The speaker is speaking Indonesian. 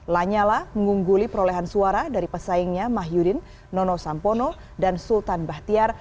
lanyala mengungguli perolehan suara dari pesaingnya mah yudin nono sampono dan sultan bahtiar